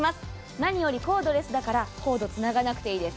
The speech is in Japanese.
何よりコードレスだから、コードをつながなくていいです。